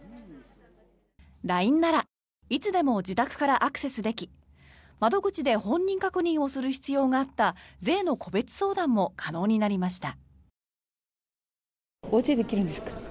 ＬＩＮＥならいつでも自宅からアクセスでき窓口で本人確認をする必要があった税の個別相談も可能になりました。